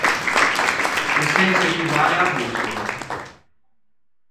O censo equivale à bússola